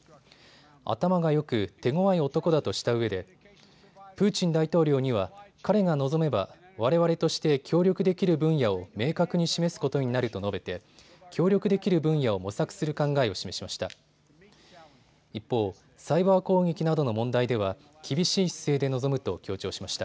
頭がよく手ごわい男だとしたうえでプーチン大統領には彼が望めば、われわれとして協力できる分野を明確に示すことになると述べて協力できる分野を模索する考えを示しました。